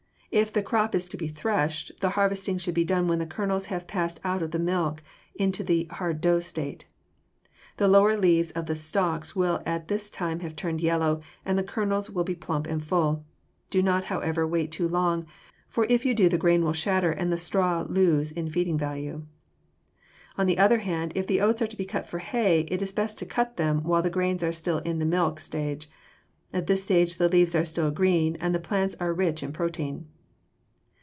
If the crop is to be threshed, the harvesting should be done when the kernels have passed out of the milk into the hard dough state. The lower leaves of the stalks will at this time have turned yellow, and the kernels will be plump and full. Do not, however, wait too long, for if you do the grain will shatter and the straw lose in feeding value. On the other hand, if the oats are to be cut for hay it is best to cut them while the grains are still in the milk stage. At this stage the leaves are still green and the plants are rich in protein.